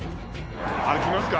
歩きますか。